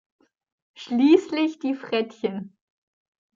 Schließlich die Frettchen.